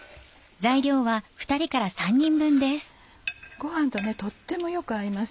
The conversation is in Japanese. ご飯ととってもよく合います。